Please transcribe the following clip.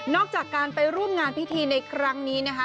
จากการไปร่วมงานพิธีในครั้งนี้นะคะ